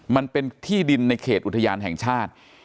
มันเป็นที่ดินในเขตอุทยานแห่งชาติ